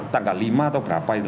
tanggal lima atau berapa itu